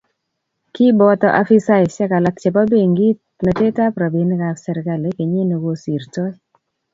kiboto afisaisiek alak chebo benkit metetab robinikab serikali kenyi ne kosirto